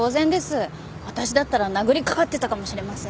私だったら殴りかかってたかもしれません。